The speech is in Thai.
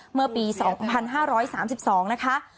เมื่อปี๒๕๓๒นะคะ